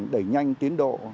đẩy nhanh tiến độ